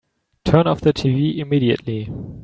Turn off the tv immediately!